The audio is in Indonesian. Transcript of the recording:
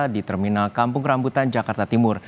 di terminal kampung rambutan jakarta timur